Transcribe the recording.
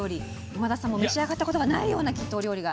今田さんも召し上がったことがないようなお料理が。